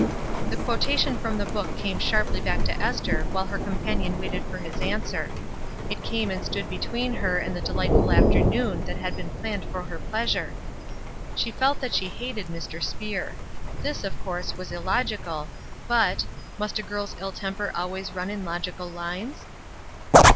The quotation from the book came sharply back to Esther while her companion waited for his answer. It came and stood between her and the dehghtful afternoon that had been planned for her pleasure. She felt that she hated Mr. Speer. This, of course, was illogical, but— must a girl's ill temper always run in logical lines